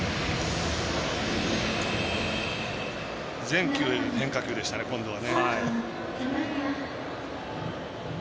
全球、変化球でしたね今度は。